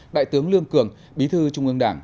đại tướng lương cường bí thư trung ương đảng